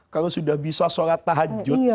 kalau sudah bisa sholat tahajud